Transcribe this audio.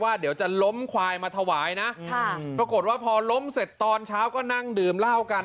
เดี๋ยวจะล้มควายมาถวายนะค่ะปรากฏว่าพอล้มเสร็จตอนเช้าก็นั่งดื่มเหล้ากัน